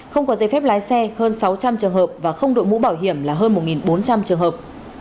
không có giấy phép lái xe hơn sáu trăm linh trường hợp và không đội mũ bảo hiểm là hơn một bốn trăm linh trường hợp